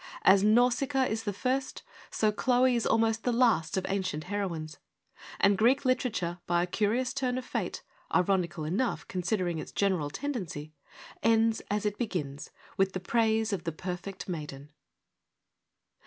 As Nausicaa is the first, so Chloe is almost the last of ancient heroines ; and Greek literature, by a curious turn of fate, ironical enough considering its general tendency, ends as it begins, with the praise of the perfect maiden.